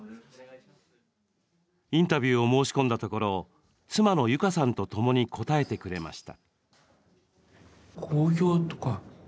インタビューを申し込んだところ妻の悠加さんとともに答えてくれました。